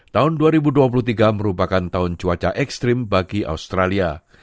tahun dua ribu dua puluh tiga merupakan tahun cuaca ekstrim bagi australia